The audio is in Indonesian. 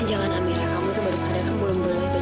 jangan amira kamu tuh baru sadar aku belum boleh banyak gerak